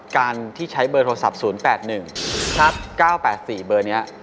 การที่ใช้เบอร์โทรศัพท์๐๘๑และ๙๘๔